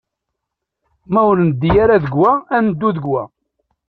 Ma ur neddi ara deg wa, ad neddu deg wa.